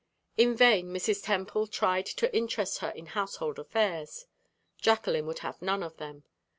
In vain Mrs. Temple tried to interest her in household affairs; Jacqueline would have none of them.